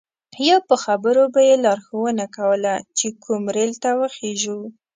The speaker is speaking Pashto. یا په خبرو به یې لارښوونه کوله چې کوم ریل ته وخیژو.